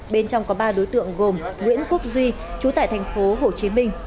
bên trong có ba đối tượng gồm nguyễn quốc duy trú tại thành phố hồ chí minh